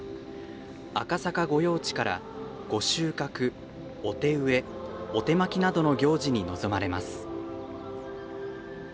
赤坂御用地から御収穫、お手植えお手播きなどの行事に臨まれます。